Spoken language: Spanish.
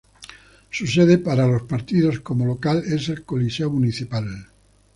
Su sede para los partidos como local es el Coliseo Municipal.